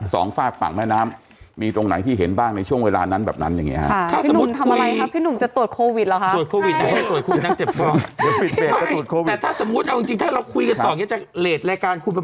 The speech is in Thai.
สองฝากฝั่งแม่น้ำมีตรงไหนที่เห็นบ้างในช่วงเวลานั้นแบบนั้นอย่างเงี้ยฮะค่ะถ้าสมมุติพี่หนุ่มทำอะไรครับ